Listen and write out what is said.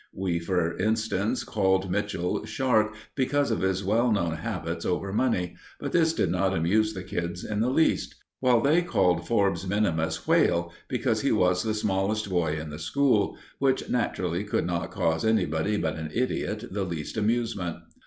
We, for instance, called Mitchell "Shark" because of his well known habits over money, but this did not amuse the kids in the least; while they called Forbes minimus "Whale" because he was the smallest boy in the school; which naturally could not cause anybody but an idiot the least amusement.